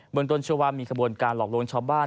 เมืองตนชาวามีขบวนการหลอกลงชาวบ้าน